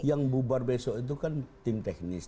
yang bubar besok itu kan tim teknis